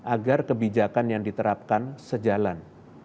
agar kebijakan yang diterapkan sejalan